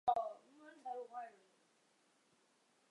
游戏分为单人游戏模式和对战模式。